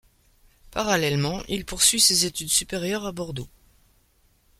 Parallèlement, il poursuit ses études supérieures à Bordeaux.